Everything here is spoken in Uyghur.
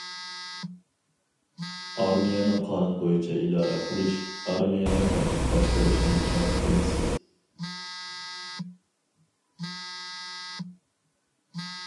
ئارمىيەنى قانۇن بويىچە ئىدارە قىلىش، ئارمىيەنى قاتتىق باشقۇرۇشنى چىڭ تۇتىمىز.